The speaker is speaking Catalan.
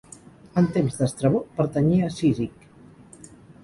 En temps d'Estrabó, pertanyia a Cízic.